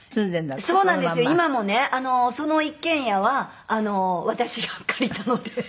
今もねその一軒家は私が借りたので。